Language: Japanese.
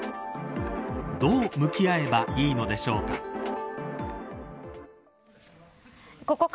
どう向き合えばいいのでしょうか。